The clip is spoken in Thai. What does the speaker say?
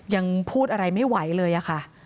ยังพูดอะไรไม่ไหวเลยค่ะ